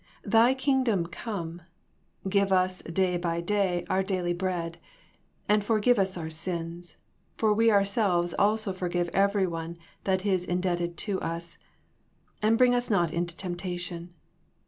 Thy kingdom come. Give us day by day our daily bread. And forgive us our sins ; for we ourselves also forgive every one that is indebted to us, and bring us not into temptation.